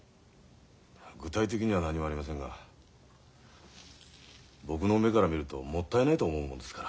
具体的には何もありませんが僕の目から見るともったいないと思うもんですから。